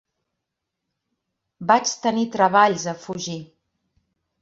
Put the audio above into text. Vaig tenir treballs a fugir.